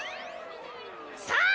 さあ！